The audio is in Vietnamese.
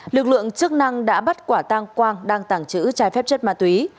lực lượng chức năng đã bắt quả tang quang đang tàng trữ trái phép chất ma túy